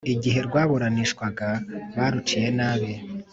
igihe rwaburanishwaga baruciye nabi.